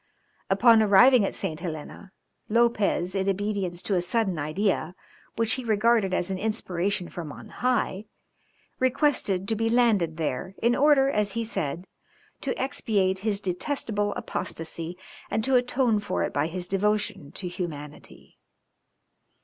Upon arriving at Saint Helena, Lopez, in obedience to a sudden idea, which he regarded as an inspiration from on high, requested to be landed there, in order, as he said, to expiate his detestable apostasy and to atone for it by his devotion to humanity.